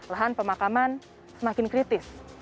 lahan pemakaman semakin kritis